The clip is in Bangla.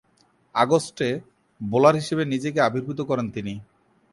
আগস্টে বোলার হিসেবে নিজেকে আবির্ভূত করেন তিনি।